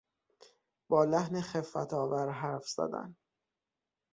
با لحن خفتآور حرف زدن